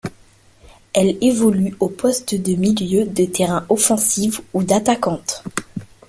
Elle évolue au poste de milieu de terrain offensive ou d'attaquante.